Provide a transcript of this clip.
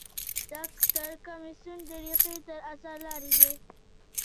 دا د کمیسیون د رییس تر اثر لاندې ده.